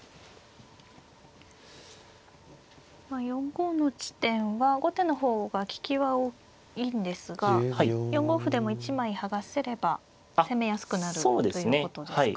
４五の地点は後手の方が利きは多いんですが４五歩でも１枚剥がせれば攻めやすくなるということですか。